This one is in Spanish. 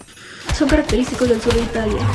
Son característicos del sur de Italia.